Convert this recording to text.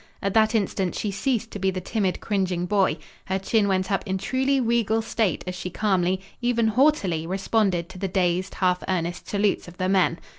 At that instant she ceased to be the timid, cringing boy. Her chin went up in truly regal state as she calmly, even haughtily, responded to the dazed, half earnest salutes of the men.